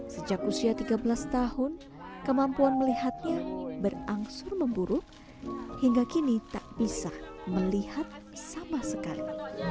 sejak usia tiga belas tahun kemampuan melihatnya berangsur memburuk hingga kini tak bisa melihat sama sekali